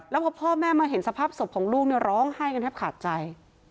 แล้วพอพ่อแม่มาเห็นสภาพศพของลูกเนี่ยร้องไห้กันแทบขาดใจ